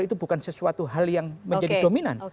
itu bukan sesuatu hal yang menjadi dominan